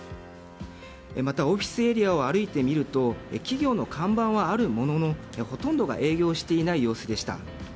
また、オフィスエリアを歩いてみると企業の看板はあるもののほとんどが営業していない様子でした。